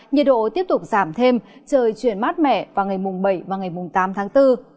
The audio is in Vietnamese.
nhiệt độ tiếp tục giảm thêm trời chuyển mát mẻ vào ngày bảy tám tháng bốn